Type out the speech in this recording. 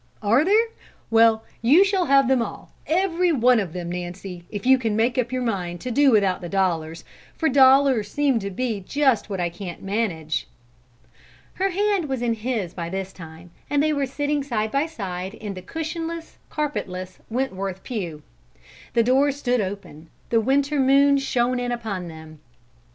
"Are there? Well, you shall have them all, every one of them, Nancy, if you can make up your mind to do without the dollars; for dollars seem to be just what I can't manage." Her hand was in his by this time, and they were sitting side by side in the cushionless, carpetless Wentworth pew. The door stood open; the winter moon shone in upon them.